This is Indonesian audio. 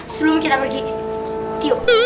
sebelum kita pergi tiup